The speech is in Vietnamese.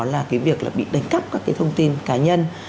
là cái việc là bị đánh cắp các cái thông tin cá nhân